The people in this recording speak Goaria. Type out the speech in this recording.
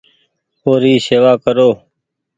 او ري شيوا ڪرو ۔